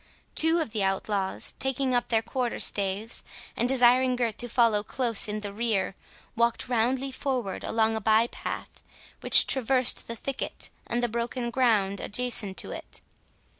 Two of the outlaws, taking up their quarter staves, and desiring Gurth to follow close in the rear, walked roundly forward along a by path, which traversed the thicket and the broken ground adjacent to it.